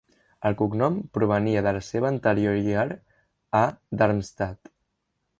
El cognom provenia de la seva anterior llar a Darmstadt.